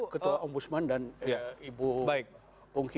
ketua om busman dan ibu pungki